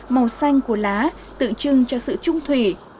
màu xanh của lá tượng trưng cho sự trung thủy